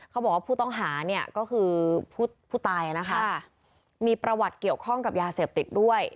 เขาบอกว่าผู้ต้องหาก็คือผู้ตายนะคะมีประวัติเกี่ยวข้องกับยาเสพติกด้วย